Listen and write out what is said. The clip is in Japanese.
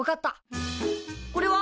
これは？